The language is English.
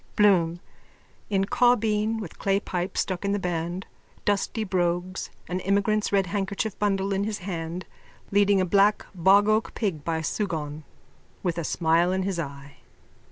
BLOOM: _(In caubeen with clay pipe stuck in the band, dusty brogues, an emigrant's red handkerchief bundle in his hand, leading a black bogoak pig by a sugaun, with a smile in his eye.)